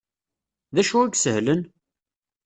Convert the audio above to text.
D acu i isehlen?